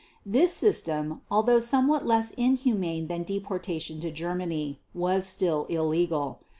This system, although somewhat less inhumane than deportation to Germany, was still illegal.